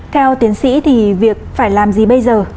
theo tiến sĩ thì việc phải làm gì bây giờ